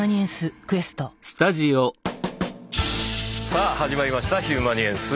さあ始まりました「ヒューマニエンス」。